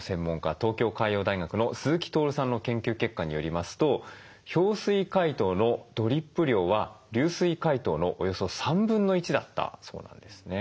東京海洋大学の鈴木徹さんの研究結果によりますと氷水解凍のドリップ量は流水解凍のおよそ1/3だったそうなんですね。